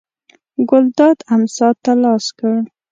ګلداد امسا ته لاس کړ.